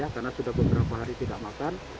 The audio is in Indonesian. karena sudah beberapa hari tidak makan